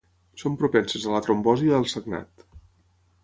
Són propenses a la trombosi i al sagnat.